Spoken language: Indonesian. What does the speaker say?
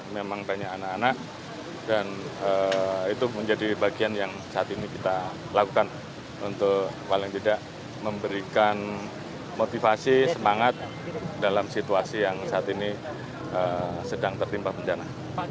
memang banyak anak anak dan itu menjadi bagian yang saat ini kita lakukan untuk paling tidak memberikan motivasi semangat dalam situasi yang saat ini sedang tertimpa bencana